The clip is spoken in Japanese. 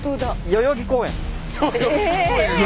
代々木公園！？